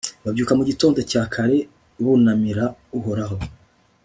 babyuka mu gitondo cya kare bunamira uhoraho